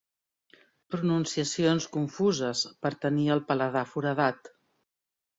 Pronunciacions confuses per tenir el paladar foradat.